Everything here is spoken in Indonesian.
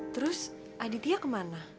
terus aditya kemana